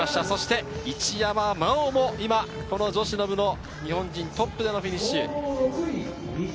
そして一山麻緒も今、女子の部の日本人トップでのフィニッシュ。